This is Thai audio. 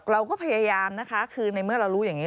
เราก็พยายามนะคะคือในเมื่อเรารู้อย่างนี้